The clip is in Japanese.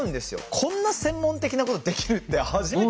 こんな専門的なことできるって初めて知りました。